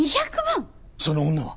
その女は？